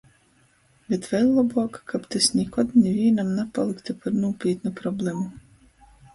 Bet vēļ lobuok, kab tys nikod nivīnam napalyktu par nūpītnu problemu...